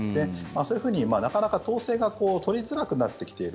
そういうふうに、なかなか統制が取りづらくなってきている。